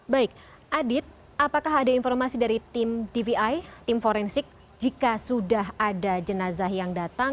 baik adit apakah ada informasi dari tim dvi tim forensik jika sudah ada jenazah yang datang